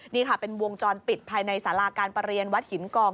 นี่ค่ะเป็นวงจรปิดภายในสาราการประเรียนวัดหินกอง